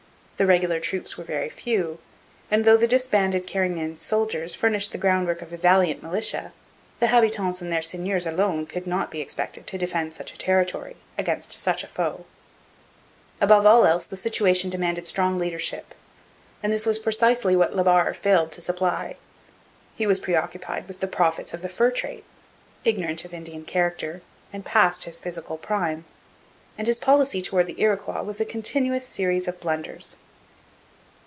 The regular troops were very few; and, though the disbanded Carignan soldiers furnished the groundwork of a valiant militia, the habitants and their seigneurs alone could not be expected to defend such a territory against such a foe. Above all else the situation demanded strong leadership; and this was precisely what La Barre failed to supply. He was preoccupied with the profits of the fur trade, ignorant of Indian character, and past his physical prime; and his policy towards the Iroquois was a continuous series of blunders.